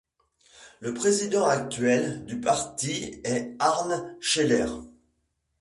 Le président actuel du parti est Arne Cheller.